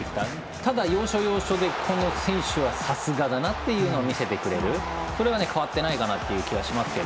ただ、要所、要所でこの選手はさすがだなというのを見せてくれる、それは変わってないかなっていう気がします。